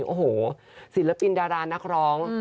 โอ้โหศิลปินดารานักร้อง